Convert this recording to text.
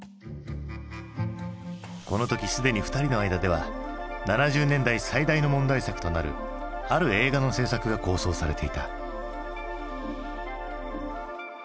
この時すでに２人の間では７０年代最大の問題作となるある映画の製作が構想されていた。